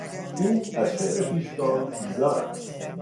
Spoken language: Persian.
او از شعر پیشگام بیزار است.